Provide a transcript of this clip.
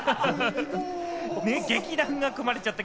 劇団が組まれちゃった。